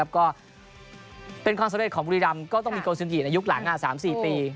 แล้วก็เป็นความสำเร็จของบุรีรัมป์ก็ต้องมีโกศิษฐีในยุคหลัง๓๔ปี